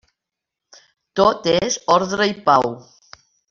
Tot és ordre i pau.